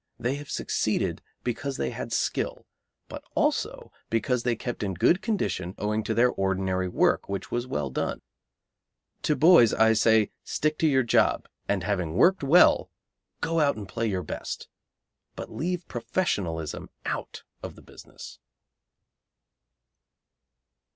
They have succeeded because they had skill, but also because they kept in good condition owing to their ordinary work, which was well done. To boys I say stick to your job, and having worked well go and play your best. But leave professionalism out of the business.